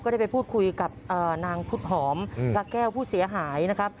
ได้ไปพูดคุยกับนางพุทธหอมละแก้วผู้เสียหายนะครับ